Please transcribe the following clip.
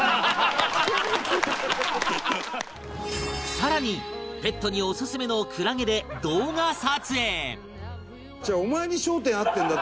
更にペットにオススメのクラゲで動画撮影